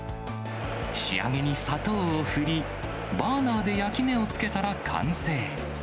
仕上げに砂糖を振り、バーナーで焼き目をつけたら完成。